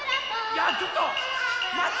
いやちょっとまって。